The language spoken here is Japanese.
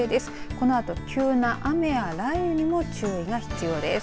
このあと急な雨や雷雨にも注意が必要です。